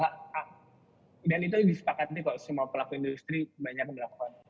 tapi dan itu disepakati kok semua pelaku industri banyak melakukan